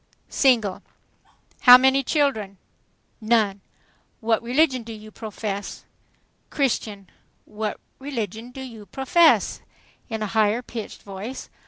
"Single." "How many children?" "None." "What religion do you profess?" "Christian." "What religion do you profess?" in a higher pitched voice.